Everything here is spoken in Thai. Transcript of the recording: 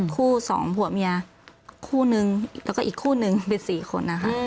คู่๒ผัวเมียคู่หนึ่งแล้วก็อีกคู่หนึ่งเป็น๔คน